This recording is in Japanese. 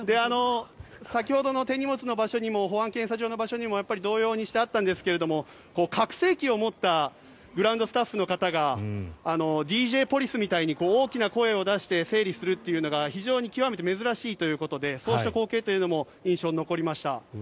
先ほどの手荷物のところにも保安検査場のところにも同様にあったんですが拡声器を持ったグランドスタッフの方がＤＪポリスみたいに大きな声を出して整理をするというのが非常に極めて珍しいということでそうした光景も印象に残りました。